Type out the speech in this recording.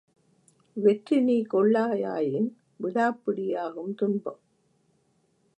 வெற்றிநீ கொள்ளா யாயின் விடாப்பிடி யாகும் துன்பம்.